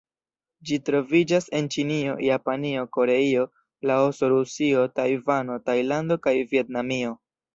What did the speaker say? Ĝi troviĝas en Ĉinio, Japanio, Koreio, Laoso, Rusio, Tajvano, Tajlando kaj Vjetnamio.